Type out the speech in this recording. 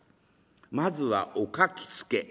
まずはお書き付け。